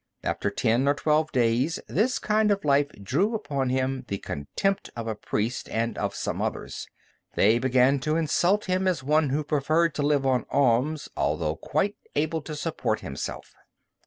After ten or twelve days, this kind of life drew upon him the contempt of a priest and of some others. They began to insult him as one who preferred to live on alms, although quite able to support himself.